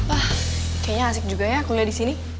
wah kayaknya asik juga ya kuliah di sini